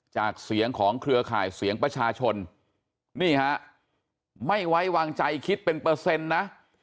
จากเสียงของเครือข่ายเสียงประชาชนนี่ฮะไม่ไว้วางใจคิดเป็นเปอร์เซ็นต์นะ